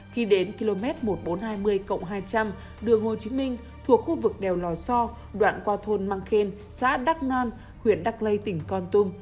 khi đến km một nghìn bốn trăm hai mươi hai trăm linh đường hồ chí minh thuộc khu vực đèo lòi so đoạn qua thôn mang khen xã đắc nan huyện đắc lây tỉnh con tum